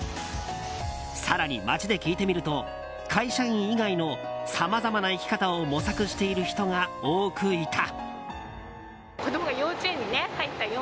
更に、街で聞いてみると会社員以外のさまざまな生き方を模索している人が多くいた。